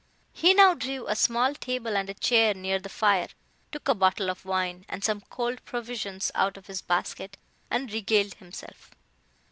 He now drew a small table and a chair near the fire, took a bottle of wine and some cold provision out of his basket, and regaled himself.